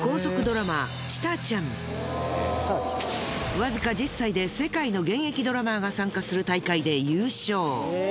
わずか１０歳で世界の現役ドラマーが参加する大会で優勝。